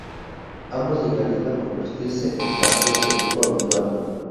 Ambos llegarían a convertirse en parte de su equipo habitual.